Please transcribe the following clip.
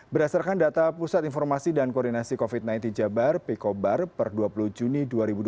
berdasarkan data pusat informasi dan koordinasi covid sembilan belas jabar pikobar per dua puluh juni dua ribu dua puluh